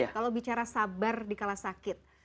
kalau bicara sabar di kala sakit